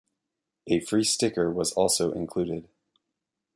A free sticker was also included.